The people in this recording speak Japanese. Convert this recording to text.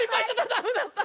ダメだった！